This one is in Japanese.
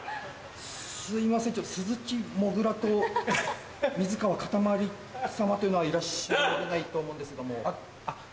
すいません鈴木もぐらと水川かたまり様というのはいらっしゃられないと思うんですが。